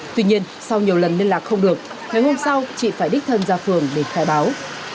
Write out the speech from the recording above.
tuy nhiên sau nhiều lần liên lạc không được ngày hôm sau chị phải đích thân ra phường để khai báo